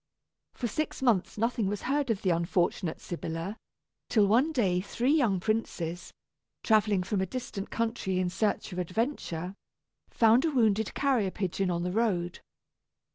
For six months nothing was heard of the unfortunate Sybilla, till one day three young princes, travelling from a distant country in search of adventure, found a wounded carrier pigeon on the road.